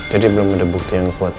jadi belum ada bukti yang kuat